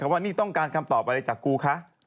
ดิฉันต้องการคำตอบอะไรจากกูคะ